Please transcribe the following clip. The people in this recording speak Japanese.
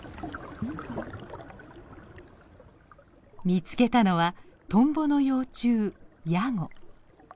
見つけたのはトンボの幼虫ヤゴ。